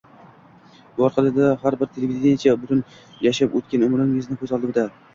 bu oraliqda har bir televideniyechi butun yashab o‘tgan umrini ko‘z oldida